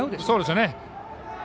そうですね。